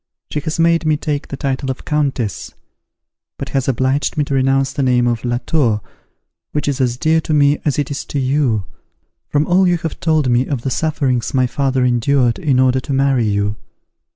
She has made me take the title of countess; but has obliged me to renounce the name of LA TOUR, which is as dear to me as it is to you, from all you have told me of the sufferings my father endured in order to marry you.